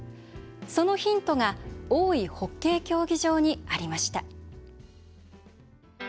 そのヒントが大井ホッケー競技場にありました。